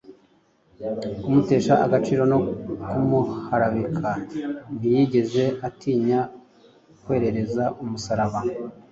kumutesha agaciro no kumuharabika, ntiyigeze atinya kwerereza umusaraba.